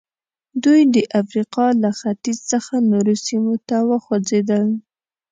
دوی د افریقا له ختیځ څخه نورو سیمو ته وخوځېدل.